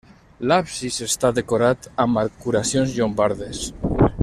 L'absis està decorat amb arcuacions llombardes.